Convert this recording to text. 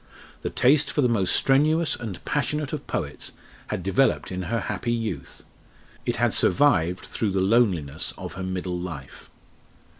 The taste for the most strenuous and passionate of poets had developed in her happy youth; it had survived through the loneliness of her middle life.